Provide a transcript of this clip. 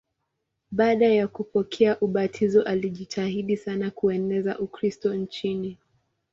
Baada ya kupokea ubatizo alijitahidi sana kueneza Ukristo nchini.